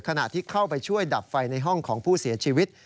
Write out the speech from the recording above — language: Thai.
ขณะที่เข้าไปช่วยดับไฟในห้องของผู้เสียชีวิต